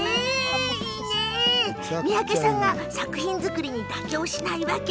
三宅さんが作品作りに妥協しない理由